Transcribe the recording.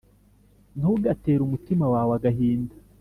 Ntugatere umutima wawe agahinda,